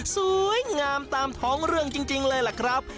สวยงามตามท้องเรื่องจริงเลยล่ะครับ